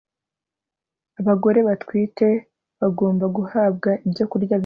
abagore batwite bagomba guhabwa ibyo kurya bihagije